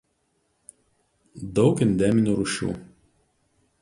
Daug endeminių rūšių.